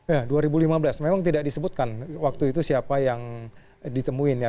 ya dua ribu lima belas memang tidak disebutkan waktu itu siapa yang ditemuin ya